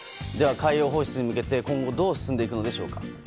では海洋放出に向けて今後どう進んでいくのでしょうか。